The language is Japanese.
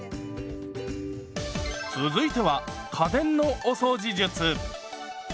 続いては家電のお掃除術。